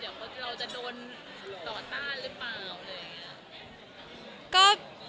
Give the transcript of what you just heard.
เดี๋ยวเราจะโดนต่อต้านหรือเปล่า